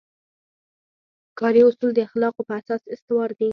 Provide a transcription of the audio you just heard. کاري اصول د اخلاقو په اساس استوار دي.